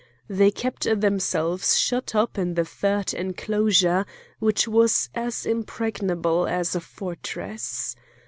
They kept themselves shut up in the third enclosure which was as impregnable as a fortress.